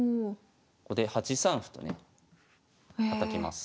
ここで８三歩とねたたきます。